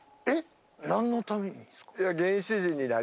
えっ何のために？